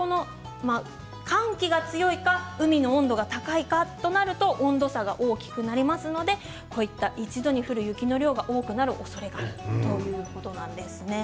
寒気が強いか、海の温度が高いかとなると温度差が大きくなりますので、こういった一度に降る雪の量が多くなるおそれがあるということなんです。